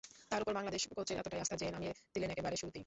তাঁর ওপর বাংলাদেশ কোচের এতটাই আস্থা যে, নামিয়ে দিলেন একেবারে শুরুতেই।